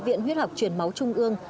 viện huyết học truyền máu trung ương